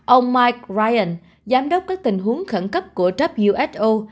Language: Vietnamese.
ông mike green giám đốc các tình huống khẩn cấp của who